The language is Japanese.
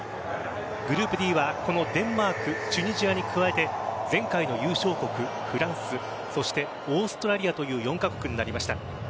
グループＤはこのデンマークチュニジアに加えて前回の優勝国・フランスそして、オーストラリアという４カ国になりました。